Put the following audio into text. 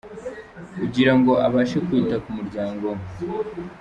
ugira ngo abashe kwita ku muryango we.